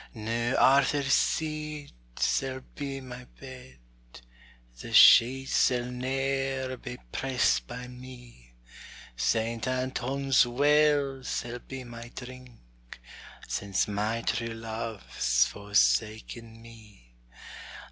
Noo Arthur's Seat sall be my bed, The sheets sall ne'er be pressed by me; Saint Anton's well sall be my drink; Since my true love's forsaken me.